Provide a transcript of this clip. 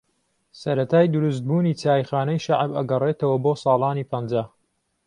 سەرەتای دروستبوونی چایخانەی شەعب ئەگەرێتەوە بۆ ساڵانی پەنجا